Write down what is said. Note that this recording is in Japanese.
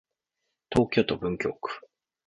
東京都文京区